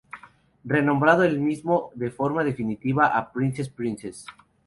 Re-nombrando el mismo de forma definitiva a Princess Princess.